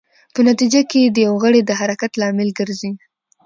په نتېجه کې د یو غړي د حرکت لامل ګرځي.